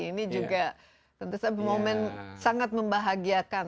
ini juga tentu saja momen sangat membahagiakan